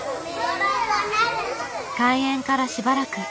開園からしばらく。